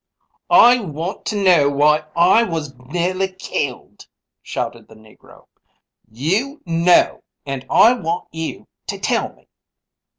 "I want to know why I was nearly killed," shouted the Negro. "You know and I want you to tell me!"